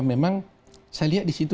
memang saya lihat di situ